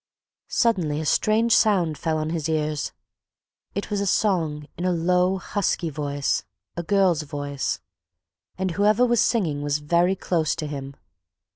Suddenly a strange sound fell on his ears. It was a song, in a low, husky voice, a girl's voice, and whoever was singing was very close to him.